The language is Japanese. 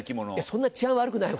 そんな治安悪くないよ